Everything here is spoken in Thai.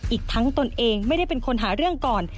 อีกทั้งตนเองไม่ได้เป็นคนหาเรื่องก่อน